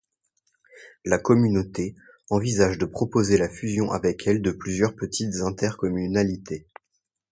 La communauté envisage de proposer la fusion avec elle de plusieurs petites intercommunalités.